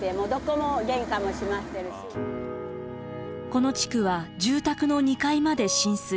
この地区は住宅の２階まで浸水。